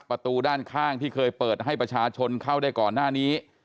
ประตูด้านข้างที่เคยเปิดให้ประชาชนเข้าได้ก่อนหน้านี้